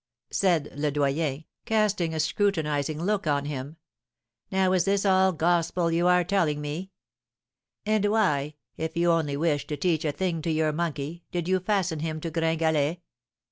said Le Doyen, casting a scrutinising look on him; 'now is this all gospel you are telling me? And why, if you only wished to teach a thing to your monkey, did you fasten him to Gringalet?'